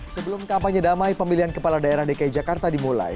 sebelum kampanye damai pemilihan kepala daerah dki jakarta dimulai